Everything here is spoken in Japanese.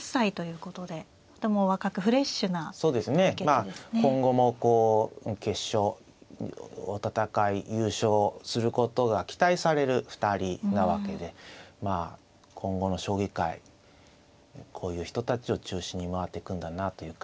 まあ今後もこう決勝を戦い優勝をすることが期待される２人なわけでまあ今後の将棋界こういう人たちを中心に回っていくんだなという感じがします。